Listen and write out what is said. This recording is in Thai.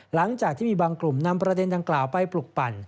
หลังจากที่มีบางกลุ่มนำประเด็นดังกล่าวไปปลุกปั่น